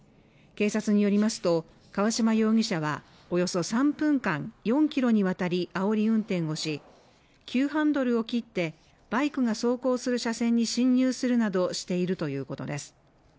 警察によりますと川島容疑者はおよそ３分間４キロにわたりあおり運転をし急ハンドルを切ってバイクが走行する車線に進入するなどしているということです